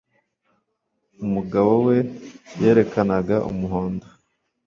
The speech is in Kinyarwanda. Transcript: Umugabo we yerekanaga umuhondo